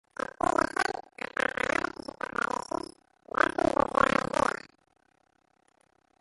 Επήγασαν από απαράδεκτες υποχωρήσεις μπρος στη μπουρζουαζία.